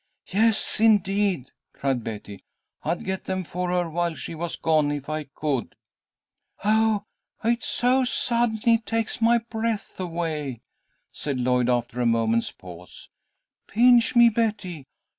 "Yes, indeed!" cried Betty. "I'd get them for her while she was gone, if I could." "Oh, it's so sudden, it takes my breath away," said Lloyd, after a moment's pause. "Pinch me, Betty!